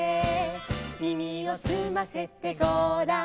「耳をすませてごらん」